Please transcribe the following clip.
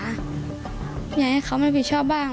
อยากให้เขามารับผิดชอบบ้าง